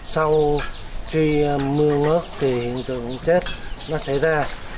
sau khi mưa nước thì hiện tượng chết nó xảy ra